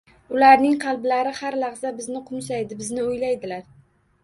Ularning qalblari har lahza bizni qoʻmsaydi, bizni oʻylaydilar